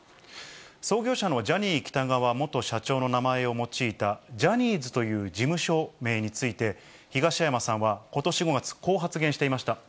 創業者のジャニー喜多川元社長の名前を用いたジャニーズという事務所名について、東山さんはことし５月、こう発言していました。